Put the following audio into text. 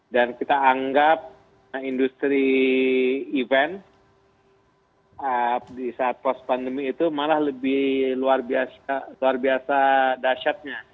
dan kita anggap industri event di saat post pandemi itu malah lebih luar biasa dasyatnya